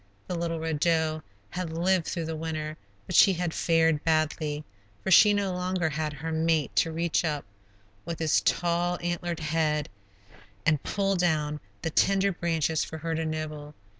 The little Red Doe had lived through the winter, but she had fared badly, for she no longer had her mate to reach up, with his tall, antlered head, and pull down tender branches for her to nibble.